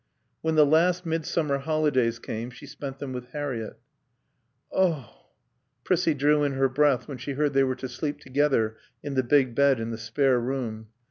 When the last midsummer holidays came she spent them with Harriett. "Oh h h!" Prissie drew in her breath when she heard they were to sleep together in the big bed in the spare room.